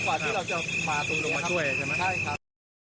กว่าที่เราจะมาส่งลงมาช่วยใช่ไหมใช่ครับ